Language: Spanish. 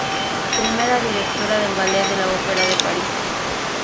Primera directora del Ballet de la Ópera de París.